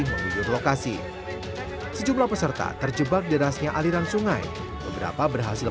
mengguyur lokasi sejumlah peserta terjebak derasnya aliran sungai beberapa berhasil